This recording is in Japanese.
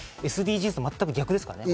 ＳＤＧｓ、全く逆ですからね。